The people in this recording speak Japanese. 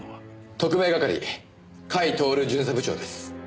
特命係甲斐享巡査部長です。